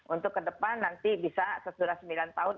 untuk ke depan nanti bisa sesudah sembilan tahun